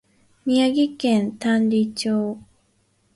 宮城県亘理町